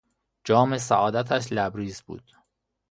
جام سعادتش لبریز بود.